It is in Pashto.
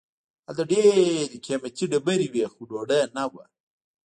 هلته ډیر قیمتي ډبرې وې خو ډوډۍ نه وه.